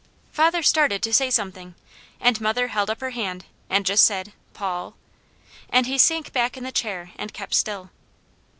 Father started to say something, and mother held up her hand and just said, "Paul!" and he sank back in the chair and kept still.